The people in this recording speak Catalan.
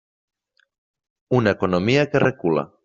Una economia que recula.